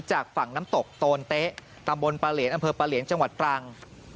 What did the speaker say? จากฝั่งน้ำตกโตนเต๊ะตำบลปลาเหลียนอำเภอปลาเหลียนจังหวัดตรัง